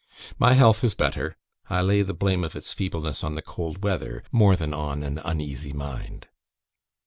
My health is better: I lay the blame of its feebleness on the cold weather, more than on an uneasy mind."